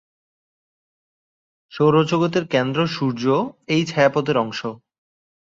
সৌরজগৎের কেন্দ্র সূর্য এই ছায়াপথের অংশ।